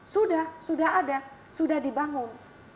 sudah sudah ada sudah dibangun